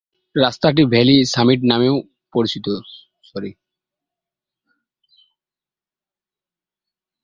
রাস্তাটি valley summit road নামেও পরিচিত।